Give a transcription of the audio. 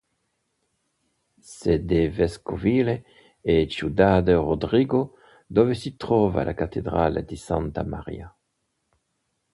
Sede vescovile è Ciudad Rodrigo, dove si trova la cattedrale di Santa Maria.